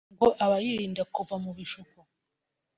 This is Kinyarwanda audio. ngo aba yirinda kugwa mu bishuko